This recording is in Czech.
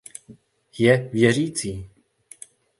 Je věřící.